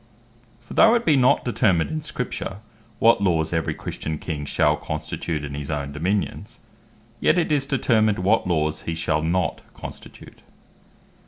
For though it be not determined in Scripture, what Laws every Christian King shall constitute in his own Dominions; yet it is determined what laws he shall not constitute.